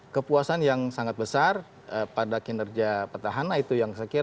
kepuasan yang sangat besar pada kinerja petahana itu yang saya kira